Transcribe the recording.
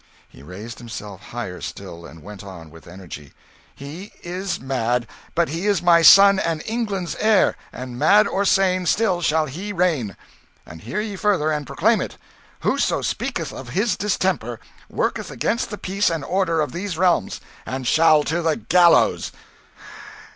He raised himself higher still, and went on with energy, "He is mad; but he is my son, and England's heir; and, mad or sane, still shall he reign! And hear ye further, and proclaim it: whoso speaketh of this his distemper worketh against the peace and order of these realms, and shall to the gallows!